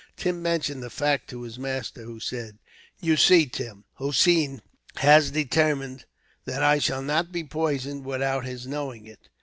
Tim mentioned the fact to his master, who said: "You see, Tim, Hossein has determined that I shall not be poisoned without his knowing it.